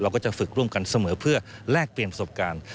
ก็จะฝึกร่วมกันเสมอเพื่อแลกเปลี่ยนประสบการณ์